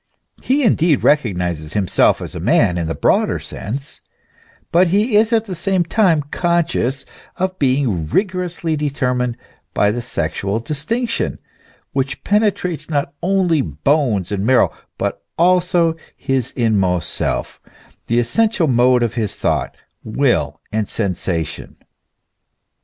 He indeed re cognises himself as a man in the broader sense, but he is at the same time conscious of being rigorously determined by the sexual distinction, which penetrates not only bones and marrow, but also his inmost self, the essential mode of his thought, will, and sensation.